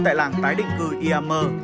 tại làng tái định cư yama